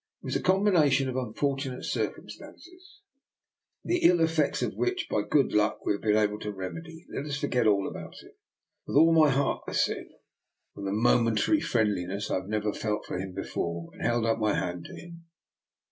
It was a combination of unfortunate circumstances, the ill effects of which by good luck we have been able to rem edy. Let us forget all about it." " With all my heart," I said, with a mo mentary friendliness I had never felt for him before, and held out my hand to him.